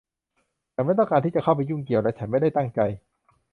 ฉันไม่ต้องการที่จะเข้าไปยุ่งเกี่ยว และฉันไม่ได้ตั้งใจ